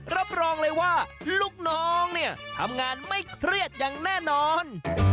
รับรองเลยว่าลูกน้องเนี่ยทำงานไม่เครียดอย่างแน่นอน